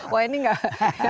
wah ini enggak